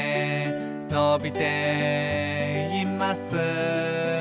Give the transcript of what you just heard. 「のびています」